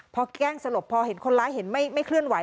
พอแกล้งสลบพอเห็นคนร้ายเห็นไม่เคลื่อนไห